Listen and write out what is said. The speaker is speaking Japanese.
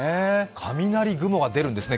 雷雲が今日、出るんですね？